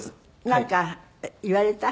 なんか言われた？